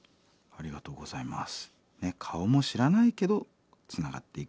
ありがとうございます。